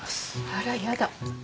あらやだ。